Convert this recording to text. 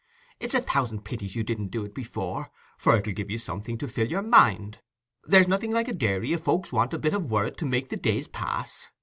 It's a thousand pities you didn't do it before; for it'll give you something to fill your mind. There's nothing like a dairy if folks want a bit o' worrit to make the days pass.